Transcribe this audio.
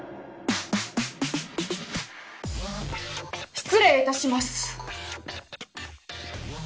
・失礼いたします。